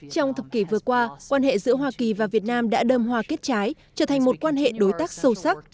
trong thập kỷ vừa qua quan hệ giữa hoa kỳ và việt nam đã đơm hòa kết trái trở thành một quan hệ đối tác sâu sắc